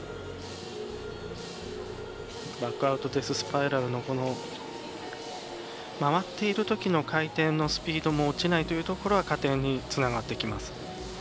バックサイドデススパイラルの回っているときの回転のスピードも落ちないというところが加点につながってきます。